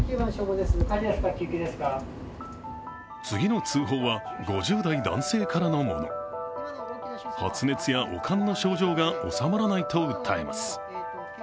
次の通報は、５０代男性からのもの発熱や悪寒の症状がおさまらないと訴えます。